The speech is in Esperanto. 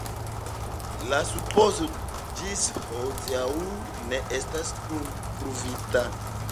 La supozo ĝis hodiaŭ ne estas pruvita.